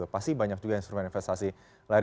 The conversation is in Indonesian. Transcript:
pasti banyak juga instrumen investasi lain